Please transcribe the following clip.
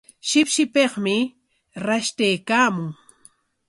Shipshipikmi rashtaykaamun.